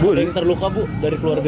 ada yang terluka ibu dari keluarga ibu